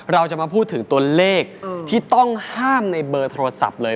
เราจะมาพูดถึงตัวเลขที่ต้องห้ามในเบอร์โทรศัพท์เลย